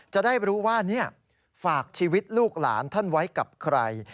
จะได้รู้ว่าฝากชีวิตลูกหลานท่านไว้กับใคร